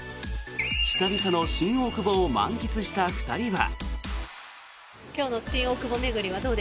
久々の新大久保を満喫した２人は。